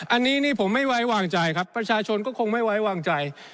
อันนี้นี่ผมไม่ไว้วางใจครับประชาชนก็คงไม่ไว้วางใจ